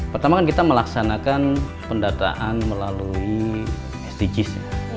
pertama kan kita melaksanakan pendataan melalui sdgs